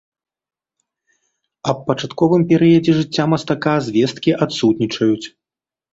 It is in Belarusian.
Аб пачатковым перыядзе жыцця мастака звесткі адсутнічаюць.